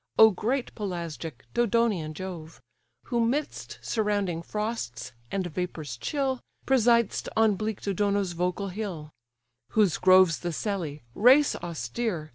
O great Pelasgic, Dodonaean Jove! Who 'midst surrounding frosts, and vapours chill, Presid'st on bleak Dodona's vocal hill: (Whose groves the Selli, race austere!